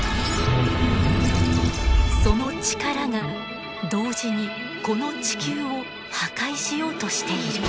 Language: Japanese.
その力が同時にこの地球を破壊しようとしている。